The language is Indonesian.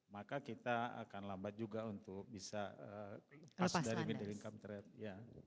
maka kita akan lambat juga untuk bisa lepas dari income trade